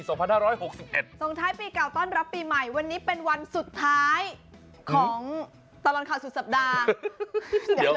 ส่งท้ายปีเก่าต้อนรับปีใหม่วันนี้เป็นวันสุดท้ายของตลอดข่าวสุดสัปดาห์